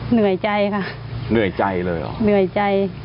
เหนื่อยใจค่ะเหนื่อยใจเลยเหรอเหนื่อยใจ